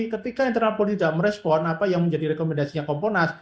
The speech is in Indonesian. ketika internal polri tidak merespon apa yang menjadi rekomendasinya komponas